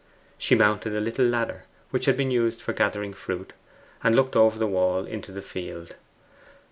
She mounted a little ladder, which had been used for gathering fruit, and looked over the wall into the field.